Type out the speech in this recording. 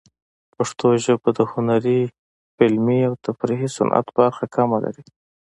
پښتو ژبه د هنري، فلمي، او تفریحي صنعت برخه کمه لري.